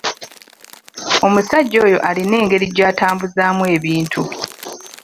Omusajja oyo alina engeri gy'atambuzaamu ebintu.